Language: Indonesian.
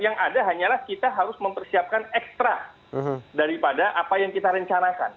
yang ada hanyalah kita harus mempersiapkan ekstra daripada apa yang kita rencanakan